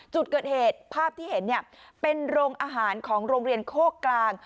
จุดเกิดเหตุภาพที่เห็นเป็นโรงอาหารของโรงเรียนโคกกลาง